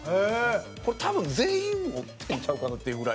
これ、多分、全員持ってるんちゃうかなっていうぐらい。